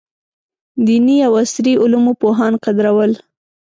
دیني او عصري علومو پوهان قدرول.